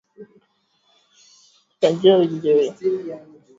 Vikosi hivyo vinatuma ujumbe